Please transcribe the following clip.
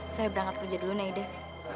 saya berangkat kerja dulu naideh